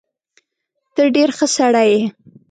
ته ډیر ښه سړی یې